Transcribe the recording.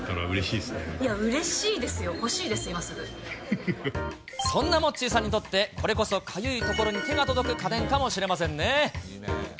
いや、うれしいですよ、そんなモッチーさんにとって、これこそかゆいところに手が届く家電かもしれませんね。